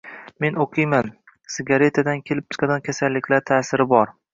Men o'qiyman, sigaretadan kelib chiqadigan kasalliklar tasviri bor